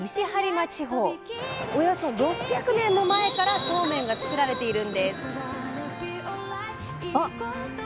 およそ６００年も前からそうめんが作られているんです。